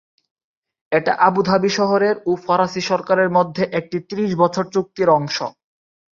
এটা Abu Dhabi শহরের ও ফরাসি সরকারের মধ্যে একটি ত্রিশ বছর চুক্তির অংশ।